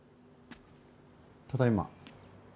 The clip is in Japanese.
ただいま。